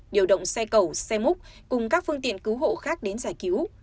điều động xe cầu xe múc cùng các phương tiện cứu hộ khác đến giải cứu